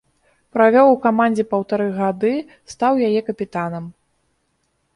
Правёў у камандзе паўтары гады, стаў яе капітанам.